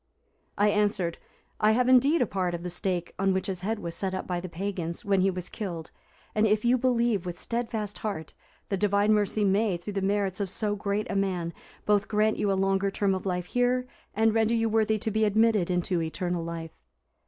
I answered, 'I have indeed a part of the stake on which his head was set up by the pagans, when he was killed, and if you believe with steadfast heart, the Divine mercy may, through the merits of so great a man, both grant you a longer term of life here, and render you worthy to be admitted into eternal life.